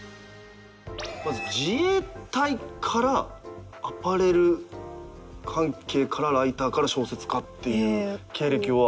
まず自衛隊からアパレル関係からライターから小説家っていう経歴は。